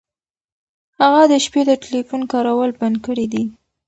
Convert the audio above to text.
هغه د شپې د ټیلیفون کارول بند کړي دي.